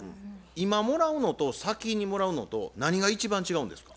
今もらうのと先にもらうのと何が一番違うんですか？